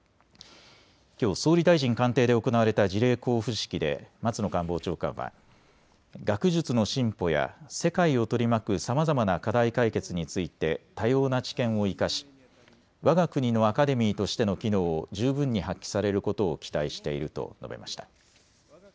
きょう、総理大臣官邸で行われた辞令交付式で松野官房長官は学術の進歩や世界を取り巻くさまざまな課題解決について多様な知見を生かしわが国のアカデミーとしての機能を充分に発揮されることを期待していると述べました。